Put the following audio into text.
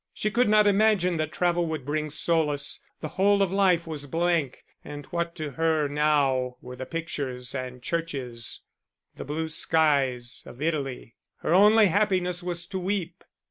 She could not imagine that travel would bring solace the whole of life was blank, and what to her now were the pictures and churches, the blue skies of Italy? Her only happiness was to weep.